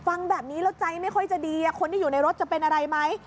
ฟังแบบนี้แล้วใจไม่ค่อยจะดีคนที่อยู่ในรถจะเป็นอะไรไหม